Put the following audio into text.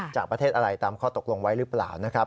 จากประเทศอะไรตามข้อตกลงไว้หรือเปล่านะครับ